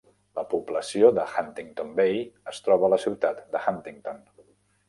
La població d'Huntington Bay es troba a la ciutat d'Huntington.